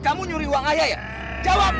kamu nyuri uang ayah ya jawab